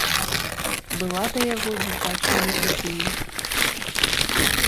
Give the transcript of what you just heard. Была да яго дзіцячая непрыхільнасць.